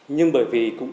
nhưng bởi vì cũng như